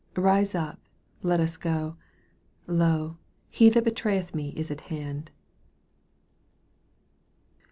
4 2 Kise up, let us go; lo, he that betrayeth me is at hand.